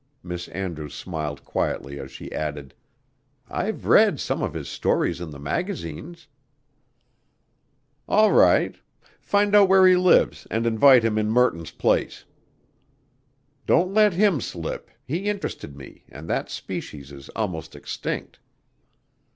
Miss Andrews smiled quietly as she added, "I've read some of his stories in the magazines." "All right. Find out where he lives and invite him in Merton's place. Don't let him slip he interested me and that species is almost extinct."